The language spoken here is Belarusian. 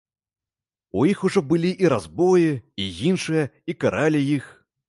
У іх ужо былі і разбоі, і іншае, і каралі іх.